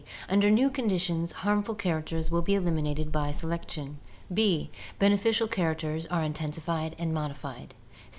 Under new conditions harmful characters will be eliminated by selection. b. Beneficial characters are intensified and modified.